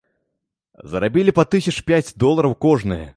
Зарабілі па тысяч пяць долараў кожны.